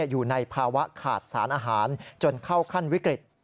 อยู่ในภาวะขาดสารอาหารจนเข้าขั้นวิกฤต